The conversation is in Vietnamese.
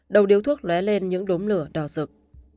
đầu điếu thuốc lé lên những đốm lửa đỏ rực